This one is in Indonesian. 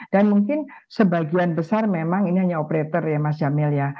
dan mungkin sebagian besar memang ini hanya operator ya mas jamil ya